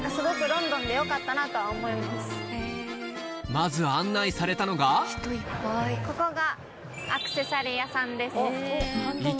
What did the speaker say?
まず案内されたのがここが。